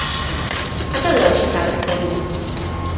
A que lóxica responde?